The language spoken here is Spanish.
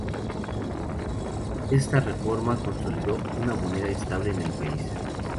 Esta reforma consolidó una moneda estable en el país.